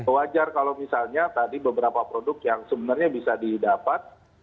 wajar kalau misalnya tadi beberapa produk yang sebenarnya bisa didapat